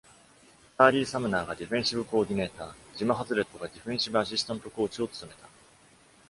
チャーリー・サムナーがディフェンシブコーディネーター、ジム・ハズレットがディフェンシブアシスタントコーチを務めた。